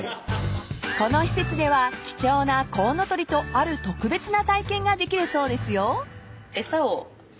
［この施設では貴重なコウノトリとある特別な体験ができるそうですよ］